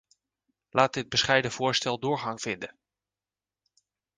Laat dit bescheiden voorstel doorgang vinden.